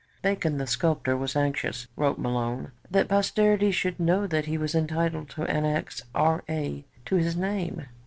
Bacon the sculptor was anxious, wrote Malone, 'that posterity should know that he was entitled to annex R.A. to his name.'